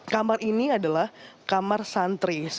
kamar ini adalah kamar santri